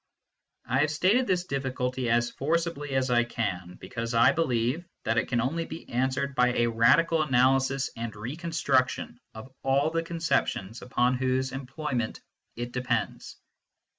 I have stated this difficulty as forcibly as I can, be cause I believe that it can only be answered by a radical analysis and reconstruction of all the conceptions upon whose employment it depends.